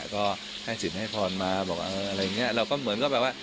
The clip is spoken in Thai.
ก็ให้สินให้พรมาบอกอะไรอย่างเงี้ยเราก็เหมือนก็แบบว่า